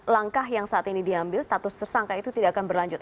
langkah yang saat ini diambil status tersangka itu tidak akan berlanjut